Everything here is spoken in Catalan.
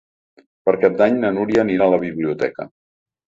Per Cap d'Any na Núria anirà a la biblioteca.